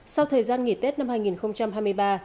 sau thời gian nghỉ tết năm hai nghìn hai mươi ba